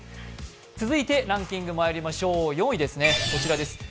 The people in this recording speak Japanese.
続いてランキングまいりましょう、４位、こちらです。